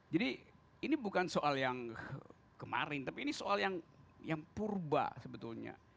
jadi ini bukan soal yang kemarin tapi ini soal yang purba sebetulnya